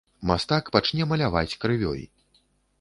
Мастак пачне маляваць крывёй.